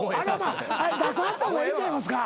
あれ出さはった方がええんちゃいますか？